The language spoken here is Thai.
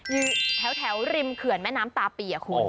อยู่แถวริมเขื่อนแม่น้ำตาปีคุณ